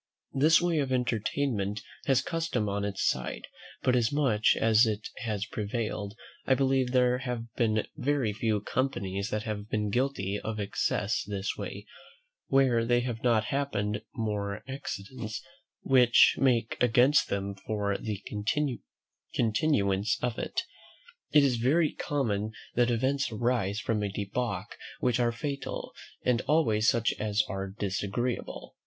This way of entertainment has custom on its side; but as much as it has prevailed, I believe there have been very few companies that have been guilty of excess this way, where there have not happened more accidents which make against than for the continuance of it. It is very common that events arise from a debauch which are fatal, and always such as are disagreeable.